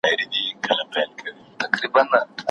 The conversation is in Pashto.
اوښکي مي د عمر پر ګرېوان دانه دانه راځي